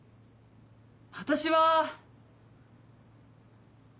私は。